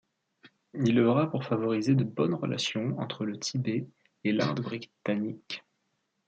Il œuvra pour favoriser de bonnes relations entre le Tibet et l'Inde britannique.